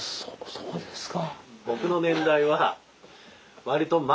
そうですか。